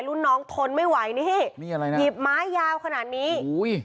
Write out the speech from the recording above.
รุ่นน้องทนไม่ไหวนี่นี่อะไรนะหยิบไม้ยาวขนาดนี้อุ้ย